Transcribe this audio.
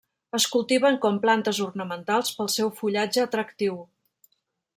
Es cultiven com plantes ornamentals pel seu fullatge atractiu.